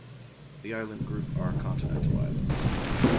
The island group are continental islands.